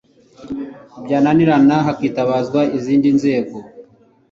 byananirana hakitabazwa izindi nzego